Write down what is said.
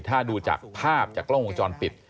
ถ้าดูจากภาพจากกล้องวงจรปิด